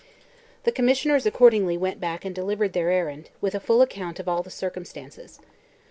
The Commissioners accordingly went back and delivered their errand, with a full account of all the circumstances.